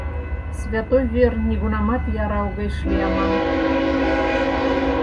— Святой вер нигунамат яра огеш лий аман.